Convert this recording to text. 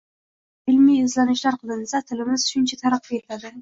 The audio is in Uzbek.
qancha ko‘p ilmiy izlanishlar qilinsa, tilimiz shuncha taraqqiy etadi.